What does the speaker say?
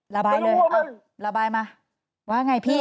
ระบายเลยระบายมาว่าไงพี่